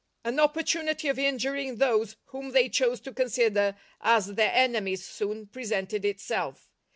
An ppportunity of injuring thpse whom they chose to consider as their enemies soon pre sented itself.